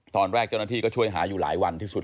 ตอนแรกเจ้าหน้าที่ก็ช่วยหาอยู่หลายวันที่สุด